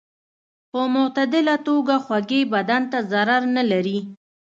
په معتدله توګه خوږې بدن ته ضرر نه لري.